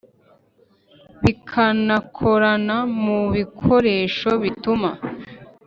Bikanakorana ku bikoresho bituma